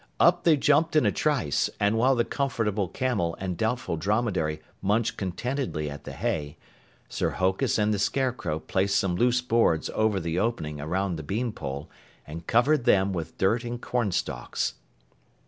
Up they jumped in a trice, and while the Comfortable Camel and Doubtful Dromedary munched contentedly at the hay, Sir Hokus and the Scarecrow placed some loose boards over the opening around the bean pole and covered them with dirt and cornstalks.